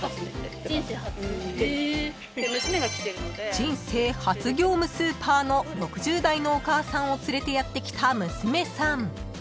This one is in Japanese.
［人生初業務スーパーの６０代のお母さんを連れてやって来た娘さん］